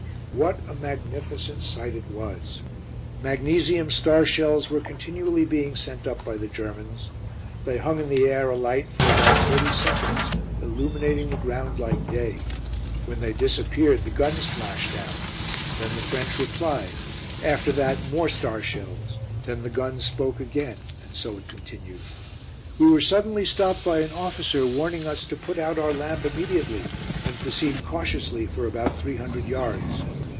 What a magnificent sight it was. Magnesium star shells were continually being sent up by the Germans. They hung in the air alight for about thirty seconds, illuminating the ground like day. When they disappeared the guns flashed out; then the French replied; after that more star shells; then the guns spoke again, and so it continued. We were suddenly stopped by an officer warning us to put out our lamp immediately, and proceed cautiously for about three hundred yards.